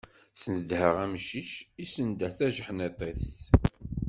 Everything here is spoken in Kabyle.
Snedheɣ amcic, issendeh tajeḥniḍt-is.